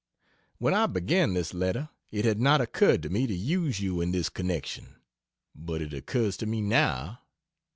When I began this letter, it had not occurred to me to use you in this connection, but it occurs to me now.